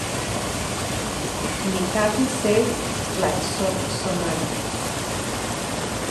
Nikkakis se tlatsotsonali